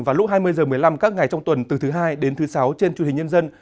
vào lúc hai mươi h một mươi năm các ngày trong tuần từ thứ hai đến thứ sáu trên truyền hình nhân dân